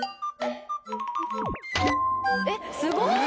えっすごい。